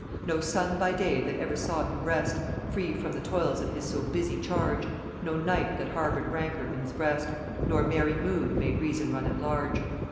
No sun by day that ever saw him rest Free from the toils of his so busy charge, No night that harboured rancour in his breast, Nor merry mood made Reason run at large.